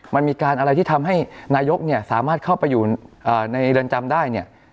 มันมีการอะไรที่ทำให้นายกเนี่ยสามารถเข้าไปอยู่ในเรือนจำได้เนี่ย